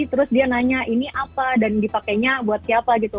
terus dia nanya ini apa dan dipakainya buat siapa gitu